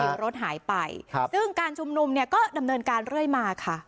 รถหายไปซึ่งการชุมนุมเนี่ยก็ดำเนินการเรื่อยมาค่ะ